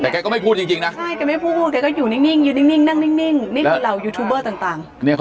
แต่แกก็ไม่พูดจริงนะ